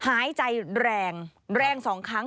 หายใจแรงแรง๒ครั้ง